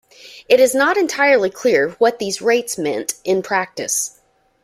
It is not entirely clear what these rates meant in practice.